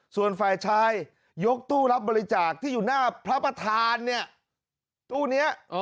ส่วนฝ่ายชายยกตู้รับบริจาคที่อยู่หน้าพระประธานเนี่ยตู้นี้